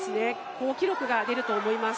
好記録が出ると思います。